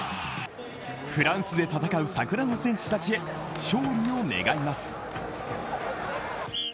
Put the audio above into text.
フランスで戦う桜の戦士たちへ、勝利を願います。